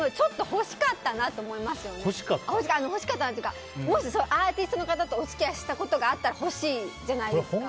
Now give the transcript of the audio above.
欲しかったなっていうかもし、アーティストの方とお付き合いしたことがあったら欲しいじゃないですか。